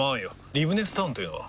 リブネスタウンというのは？